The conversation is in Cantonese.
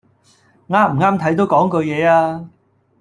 啱唔啱睇都講句嘢吖